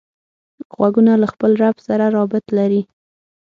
غوږونه له خپل رب سره رابط لري